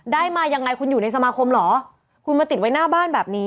ได้มายังไงคุณอยู่ในสมาคมเหรอคุณมาติดไว้หน้าบ้านแบบนี้